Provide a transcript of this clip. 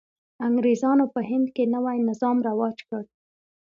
انګرېزانو په هند کې نوی نظام رواج کړ.